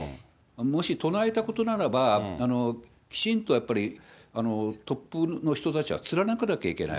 もし唱えたことならば、きちんとやっぱりトップの人たちは貫かなきゃいけない。